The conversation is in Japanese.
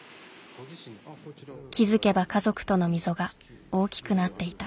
気付けば家族との溝が大きくなっていた。